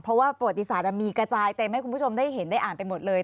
เพราะว่าประวัติศาสตร์มีกระจายเต็มให้คุณผู้ชมได้เห็นได้อ่านไปหมดเลย